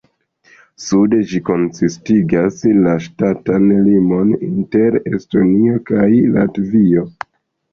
Sude ĝi konsistigas la ŝtatan limon inter Estonio kaj Latvio.